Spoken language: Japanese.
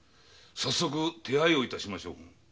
早速手配をいたしましょう。